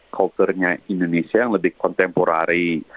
kulturnya indonesia yang lebih kontemporari